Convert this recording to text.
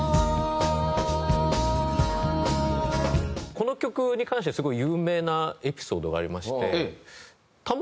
この曲に関してはすごい有名なエピソードがありまして。